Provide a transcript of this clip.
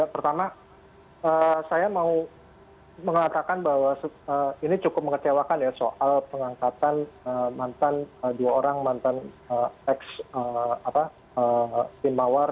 pertama saya mau mengatakan bahwa ini cukup mengecewakan ya soal pengangkatan mantan dua orang mantan ex tim mawar